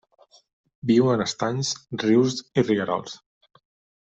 Viu en estanys, rius i rierols.